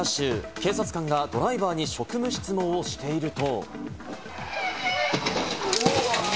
警察官がドライバーに職務質問をしていると。